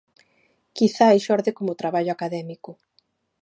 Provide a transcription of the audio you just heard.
Quizais xorde como traballo académico.